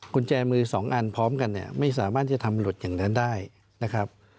กุญแจมือสองอันพร้อมกันเนี่ยไม่สามารถจะทำหลุดอย่างนั้นได้นะครับ